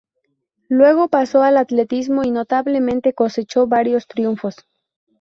Luego pasó al atletismo y notablemente cosechó varios triunfos.